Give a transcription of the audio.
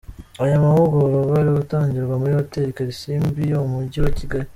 Aya mahugurwa ari gutangirwa muri Hotel Kalisimbi yo mu mujyi wa Kigali.